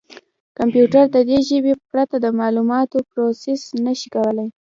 کمپیوټر د دې ژبې پرته د معلوماتو پروسس نه شي کولای.